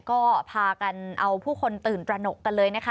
ก็พากันเอาผู้คนตื่นตระหนกกันเลยนะคะ